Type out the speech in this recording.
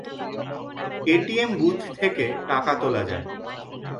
ATM booth থেকে টাকা তোলা যায়।